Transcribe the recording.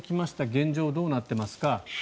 現状、どうなっていますか。